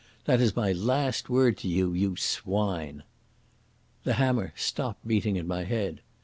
That is my last word to you ... you swine!" The hammer stopped beating in my head.